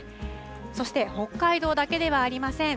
そして北海道だけではありません。